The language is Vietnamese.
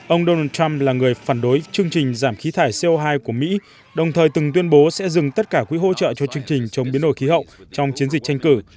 ông donald trump là người phản đối chương trình giảm khí thải co hai của mỹ đồng thời từng tuyên bố sẽ dừng tất cả quỹ hỗ trợ cho chương trình chống biến đổi khí hậu trong chiến dịch tranh cử